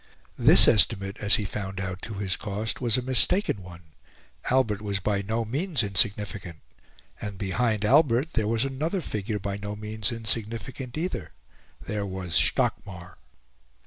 This estimate, as he found out to his cost, was a mistaken one. Albert was by no means insignificant, and, behind Albert, there was another figure by no means insignificant either there was Stockmar.